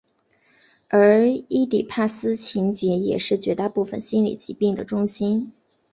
而伊底帕斯情结也是绝大部分心理疾病的中心。